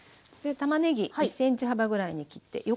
でたまねぎ１ｃｍ幅ぐらいに切って。